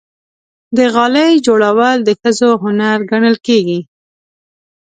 د غالۍ جوړول د ښځو هنر ګڼل کېږي.